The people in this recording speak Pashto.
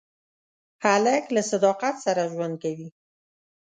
هلک له صداقت سره ژوند کوي.